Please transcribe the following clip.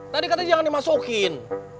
tadi katanya jangan dimasukin